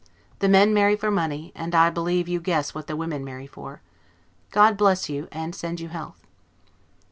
The men marry for money, and I believe you guess what the women marry for. God bless you, and send you health!